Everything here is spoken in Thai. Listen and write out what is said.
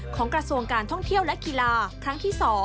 กระทรวงการท่องเที่ยวและกีฬาครั้งที่๒